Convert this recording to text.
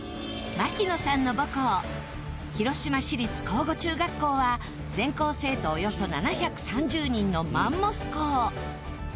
槙野さんの母校広島市立庚午中学校は全校生徒およそ７３０人のマンモス校